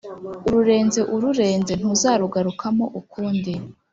ururenze ururenze: ntuzarugarukamo ukundi